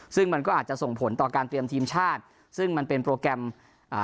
ซึ่งมันก็อาจจะส่งผลต่อการเตรียมทีมชาติซึ่งมันเป็นโปรแกรมอ่า